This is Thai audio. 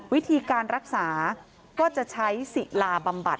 วิธีการรักษาก็จะใช้ศิลาบำบัด